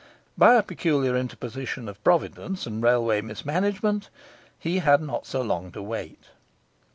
By a peculiar interposition of Providence and railway mismanagement he had not so long to wait.